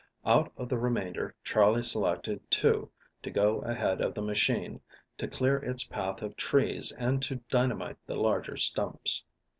Out of the remainder Charley selected two to go ahead of the machine, to clear its path of trees and to dynamite the larger stumps.